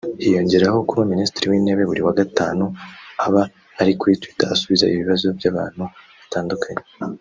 Hiyongeraho kuba Minisitiri w’Intebe buri wa gatanu aba ari kuri Twitter asubiza ibibazo by’abantu batandukanye